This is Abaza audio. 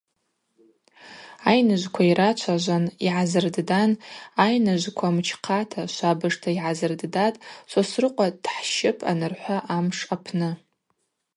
Айныжвква йрачважван, йгӏазырддан, айныжвква мчхъата, швабыжта йгӏазырддатӏ Сосрыкъва дхӏщыпӏ анырхӏва амш апны.